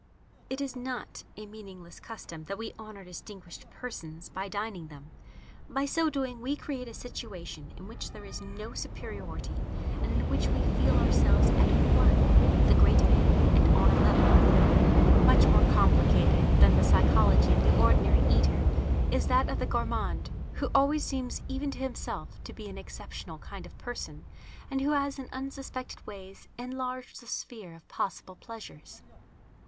It is not a meaningless custom that we honour distinguished persons by dining them. By so doing we create a situation in which there is no superiority and in which we feel ourselves at one with the great man and on a level with him. Much more complicated than the psychology of the ordinary eater is that of the gourmand, who always seems even to himself to be an exceptional kind of person and who has in unsuspected ways enlarged the sphere of possible pleasures.